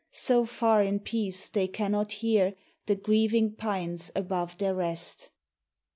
So far in peace they cannot hear The grieving pines above their rest.